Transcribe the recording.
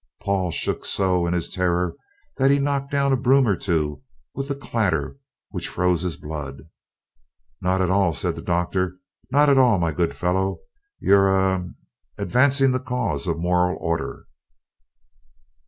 Paul shook so in his terror that he knocked down a broom or two with a clatter which froze his blood. "Not at all," said the Doctor, "not at all, my good fellow; you're ahem advancing the cause of moral order."